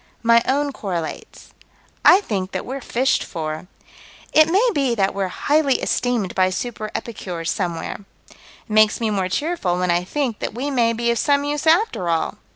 My own correlates: I think that we're fished for. It may be that we're highly esteemed by super epicures somewhere. It makes me more cheerful when I think that we may be of some use after all.